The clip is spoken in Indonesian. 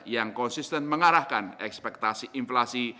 yang konsisten mengarahkan ekspektasi inflasi